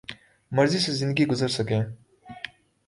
مرضی سے زندگی گرز سکیں